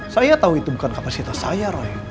saya tahu itu bukan kapasitas saya roni